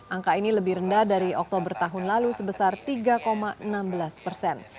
angka ini lebih rendah dari oktober tahun lalu sebesar tiga enam belas persen